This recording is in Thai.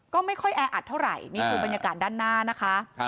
ก็ไม่ค่อยแออัดเท่าไหร่นี่คือบรรยากาศด้านหน้านะคะ